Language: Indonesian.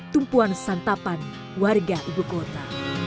tumpuan santapan warga ibu kota